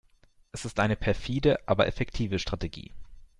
Es ist eine perfide, aber effektive Strategie.